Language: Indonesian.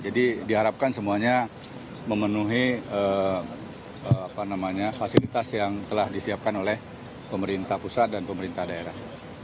jadi diharapkan semuanya memenuhi fasilitas yang telah disiapkan oleh pemerintah pusat dan pemerintah daerah